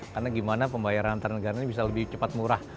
karena gimana pembayaran antar negara ini bisa lebih cepat murah